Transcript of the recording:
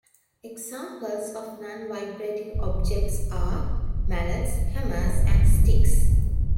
Examples of non-vibrating objects are mallets, hammers, and sticks.